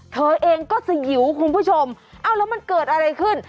เธอเองก็สยิวคุณผู้ชมเอ้าแล้วมันเกิดอะไรขึ้น